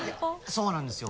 そうなんですよ